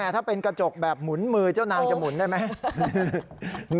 ถ้าเป็นกระจกแบบหมุนมือเจ้านางจะหมุนได้ไหม